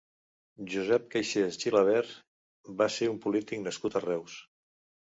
Josep Caixés Gilabert va ser un polític nascut a Reus.